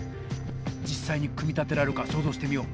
実さいに組み立てられるかそうぞうしてみよう。